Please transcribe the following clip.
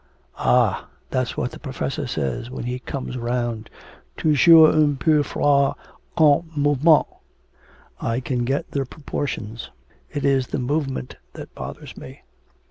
'Ah, that's what the professor says when he comes round toujours un peu froid comme mouvement. I can get the proportions; it is the movement that bothers me.'